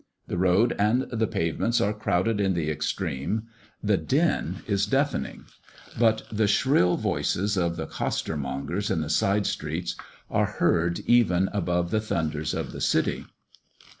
The road and the pavements are crowded in the extreme; the din is deafening; but the shrill voices of the costermongers in the side streets are heard even above the thunders of the City.